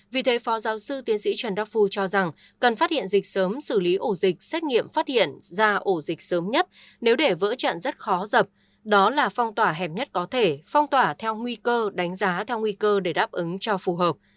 vì thế phó giáo sư tiến sĩ trần đắc phu cho rằng cần phát hiện dịch sớm xử lý ổ dịch xét nghiệm phát hiện ra ổ dịch sớm nhất nếu để vỡ trận rất khó dập đó là phong tỏa hẻm nhất có thể phong tỏa theo nguy cơ đánh giá theo nguy cơ để đáp ứng cho phù hợp